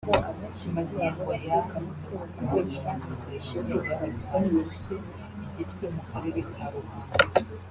Magingo aya ni umukozi muri Kaminuza yigenga y’Abadiventiste i Gitwe mu Karere ka Ruhango